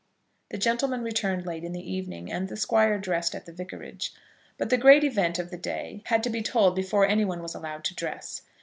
The gentlemen returned late in the evening, and the Squire dressed at the vicarage. But the great event of the day had to be told before anyone was allowed to dress.